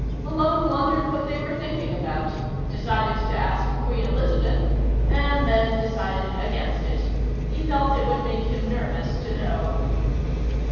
Malone wondered what they were thinking about, decided to ask Queen Elizabeth, and then decided against it. He felt it would make him nervous to know.